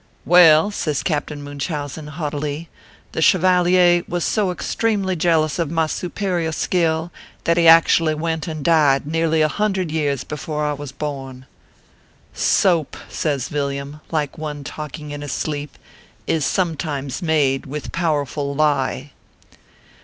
" Well/ 7 says Captain Munchausen, haughtily, " the chevalier was so extremely jealous of my supe rior skill, that he actually went and died nearly a hundred years before I was born/ " Soap/ says Villiam, like one talking in his sleep, " is sometimes made with powerful lie."